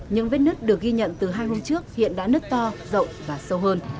những vết nứt được ghi nhận từ hai hôm trước hiện đã nứt to rộng và sâu hơn